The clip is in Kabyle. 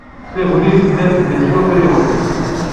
Tagnit tella tdel s wafriwen.